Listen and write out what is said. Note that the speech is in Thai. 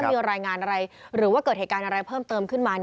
มีรายงานอะไรหรือว่าเกิดเหตุการณ์อะไรเพิ่มเติมขึ้นมา